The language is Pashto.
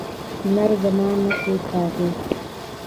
لمر زما مخې ته دی